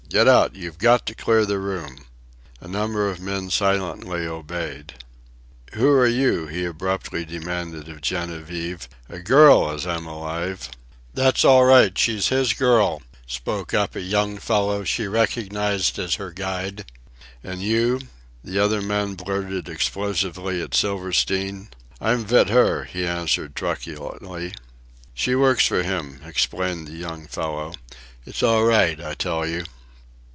Get out! You've got to clear the room!" A number of men silently obeyed. "Who are you?" he abruptly demanded of Genevieve. "A girl, as I'm alive!" "That's all right, she's his girl," spoke up a young fellow she recognized as her guide. "And you?" the other man blurted explosively at Silverstein. "I'm vit her," he answered truculently. "She works for him," explained the young fellow. "It's all right, I tell you."